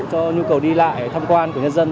cho nhu cầu đi lại tham quan của nhân dân